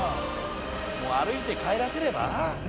もう歩いて帰らせれば？